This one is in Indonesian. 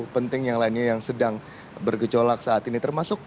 penting yang lainnya yang sedang bergejolak saat ini termasuk